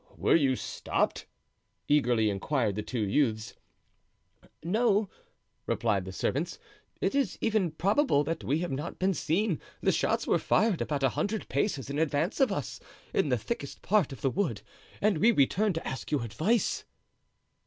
"Were you stopped?" eagerly inquired the two youths. "No," replied the servants, "it is even probable that we have not been seen; the shots were fired about a hundred paces in advance of us, in the thickest part of the wood, and we returned to ask your advice."